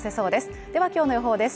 は今日の予報です。